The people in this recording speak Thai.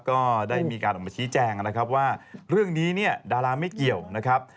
ก็ได้มีการออกมาชี้แจงนะครับว่าเรื่องนี้เนี่ยดาราไม่เกี่ยวนะครับ